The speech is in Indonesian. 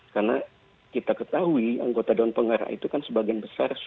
karena kita ketahui anggota dewan pengarah itu kan sebagian besar sudah berpengaruh